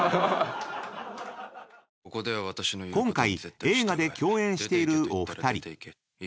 ［今回映画で共演しているお二人］